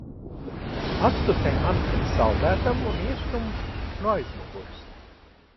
Atstutē mani pret saldētavu un iestum no aizmugures!